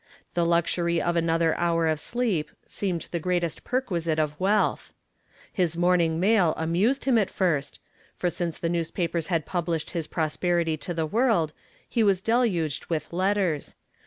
The luxury of another hour of sleep seemed the greatest perquisite of wealth. His morning mail amused him at first, for since the newspapers had published his prosperity to the world he was deluged with letters.